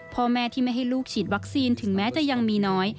พ่อแม่ที่ไม่ให้ลูกฉีดวัคซีนถึงแม้จะยังมีน้อย